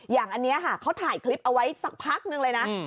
อย่างอันนี้ค่ะเขาถ่ายคลิปเอาไว้สักพักนึงเลยนะ